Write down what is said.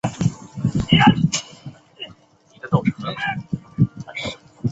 卡拉韦拉什是葡萄牙布拉干萨区的一个堂区。